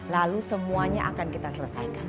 lalu semuanya akan kita selesaikan